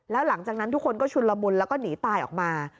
แล้วหลังจากนั้นทุกคนก็ชุนละมุนแล้วก็หนีตายออกมา